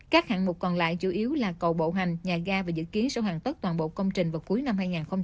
các hạng mục còn lại chủ yếu là cầu bộ hành nhà ga và dự kiến sẽ hoàn tất toàn bộ công trình vào cuối năm hai nghìn hai mươi